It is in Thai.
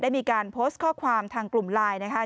มีการโพสต์ข้อความทางกลุ่มไลน์นะคะ